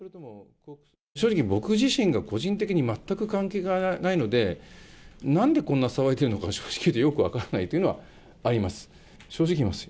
正直、僕自身が個人的に全く関係がないので、なんでこんな騒いでるのか、正直言ってよく分からないというのがあります。